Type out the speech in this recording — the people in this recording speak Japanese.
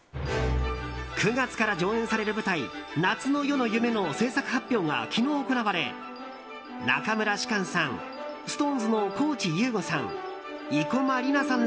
９月から上演される舞台「夏の夜の夢」の制作発表が昨日行われ中村芝翫さんＳｉｘＴＯＮＥＳの高地優吾さん